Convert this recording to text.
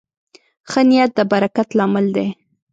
ښه نیت د برکت لامل دی.